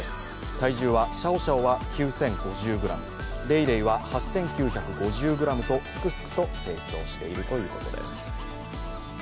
体重はシャオシャオは９０５０ｇ、レイレイは８９５０ｇとすくすくと成長しているということです。